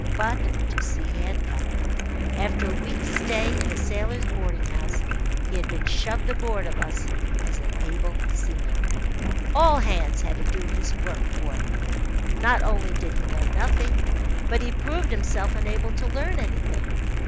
But to sea he had come. After a week's stay in a sailors' boarding house, he had been shoved aboard of us as an able seaman. All hands had to do his work for him. Not only did he know nothing, but he proved himself unable to learn anything.